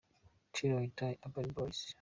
Till I die –Urban boys.